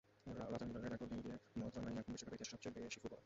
Roger Miller record ভেঙে দিয়ে মনদ্রাগনই এখন বিশ্বকাপের ইতিহাসে সবচেয়ে বয়সী ফুটবলার।